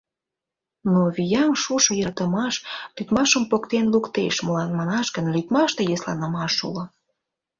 Но вияҥ шушо йӧратымаш лӱдмашым поктен луктеш, молан манаш гын лӱдмаште йӧсланымаш уло.